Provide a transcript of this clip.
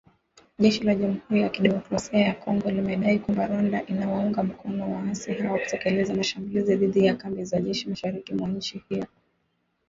Jeshi la Jamhuri ya Kidemokrasia ya Kongo limedai kwamba Rwanda inawaunga mkono waasi hao kutekeleza mashambulizi dhidi ya kambi za jeshi mashariki mwa nchi hiyo.